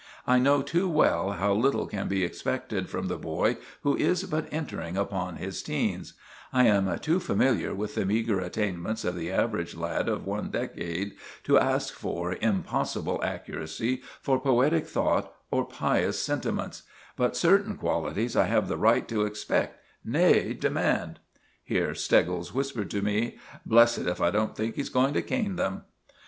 I know too well how little can be expected from the boy who is but entering upon his teens—I am too familiar with the meagre attainments of the average lad of one decade to ask for impossible accuracy, for poetic thought, or pious sentiments; but certain qualities I have the right to expect—nay, demand——" Here Steggles whispered to me— "Blessed if I don't think he's going to cane them!"